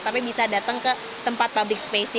tapi bisa datang ke tempat public space